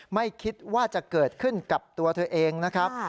ไม่คิดว่าจะเกิดขึ้นกับตัวเธอเองนะครับ